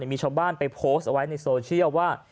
มีชาวบ้านไปโพสต์เอาไว้ในโซเชียลว่า